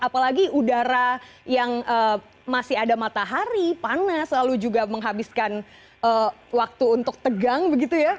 apalagi udara yang masih ada matahari panas lalu juga menghabiskan waktu untuk tegang begitu ya